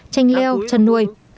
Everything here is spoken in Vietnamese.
tranh leo chăn nuôi